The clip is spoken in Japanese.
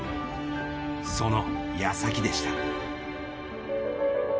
その矢先でした。